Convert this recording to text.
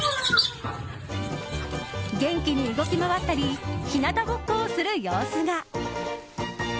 元気に動き回ったり日なたぼっこをする様子が。